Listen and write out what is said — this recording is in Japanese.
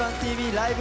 ライブ！